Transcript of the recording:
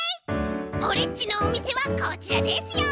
オレっちのおみせはこちらですよ。